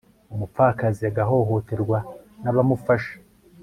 umupfakazi agahohoterwa n'abamufasha